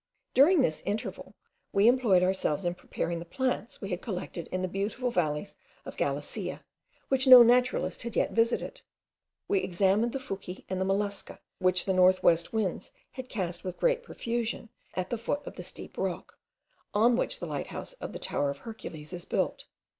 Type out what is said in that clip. During this interval, we employed ourselves in preparing the plants we had collected in the beautiful valleys of Galicia, which no naturalist had yet visited: we examined the fuci and the mollusca which the north west winds had cast with great profusion at the foot of the steep rock, on which the lighthouse of the Tower of Hercules is built.